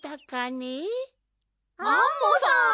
アンモさん！